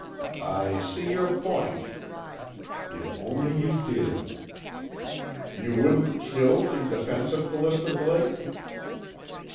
"I see your point." If only you did! "You wouldn't kill in defense of Callista Blake?"